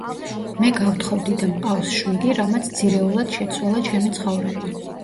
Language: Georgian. მე გავთხოვდი და მყავს შვილი, რამაც ძირეულად შეცვალა ჩემი ცხოვრება.